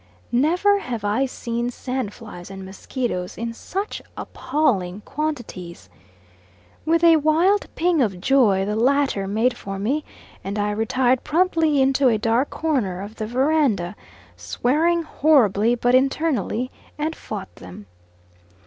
Never have I seen sandflies and mosquitoes in such appalling quantities. With a wild ping of joy the latter made for me, and I retired promptly into a dark corner of the verandah, swearing horribly, but internally, and fought them.